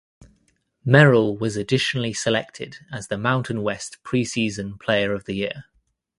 Merrill was additionally selected as the Mountain West Preseason Player of the Year.